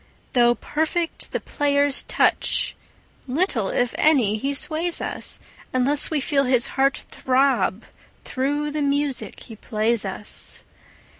Though perfect the player's touch, little, if any, he sways us, Unless we feel his heart throb through the music he plays us.